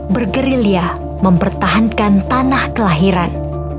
bergerilya mempertahankan tanah kelahiran